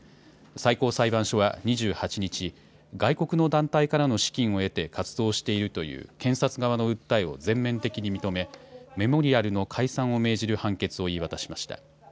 最高裁判所は２８日、外国の団体からの資金を得て活動しているという検察側の訴えを全面的に認め、メモリアルの解散を命じる判決を言い渡しました。